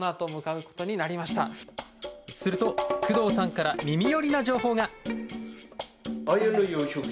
すると工藤さんから耳寄りな情報が！